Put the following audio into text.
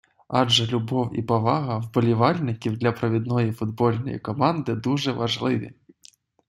Адже любов і повага вболівальників для провідної футбольної команди дуже важливі.